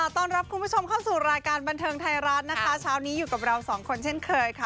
ต้อนรับคุณผู้ชมเข้าสู่รายการบันเทิงไทยรัฐนะคะเช้านี้อยู่กับเราสองคนเช่นเคยค่ะ